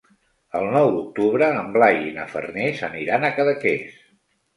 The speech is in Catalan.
El nou d'octubre en Blai i na Farners aniran a Cadaqués.